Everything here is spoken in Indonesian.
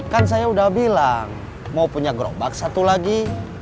kan saya udah bilang mau punya gerobak satu lagi